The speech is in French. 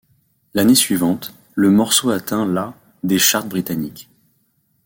L'année suivante, le morceau atteint la des charts britanniques.